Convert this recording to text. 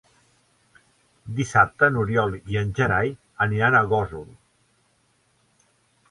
Dissabte n'Oriol i en Gerai aniran a Gósol.